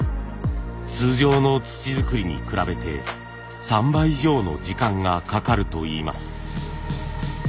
通常の土づくりに比べて３倍以上の時間がかかるといいます。